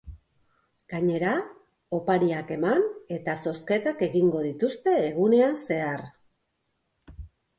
Gainera, opariak eman eta zozketak egingo dituzte egunean zehar.